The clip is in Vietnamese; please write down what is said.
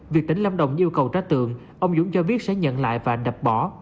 việc tỉnh lâm đồng yêu cầu trả tượng ông dũng cho biết sẽ nhận lại và đập bỏ